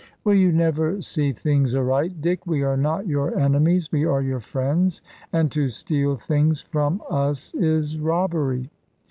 "Will you never see things aright, Dick? We are not your enemies, we are your friends; and to steal things from us is robbery."